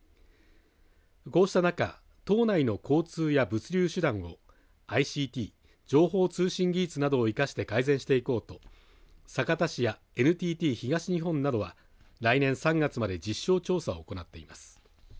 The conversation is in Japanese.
こうした中、島内の交通や物流手段をＩＣＴ情報通信技術などを生かして改善していこうと酒田市やＮＴＴ東日本などは来年３月まで実証調査を行っています。